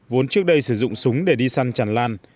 vốn trước đây sử dụng súng để đi săn tràn lan